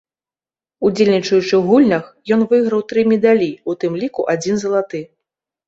Удзельнічаючы ў гульнях, ён выйграў тры медалі, у тым ліку адзін залаты.